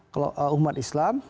kepada umat islam